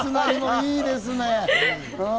いいですね。